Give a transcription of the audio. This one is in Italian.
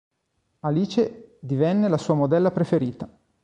Alice divenne la sua modella preferita.